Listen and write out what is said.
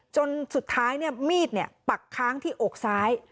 จนสุดท้ายเนี่ยมีดเนี่ยปักค้างที่อกซ้าย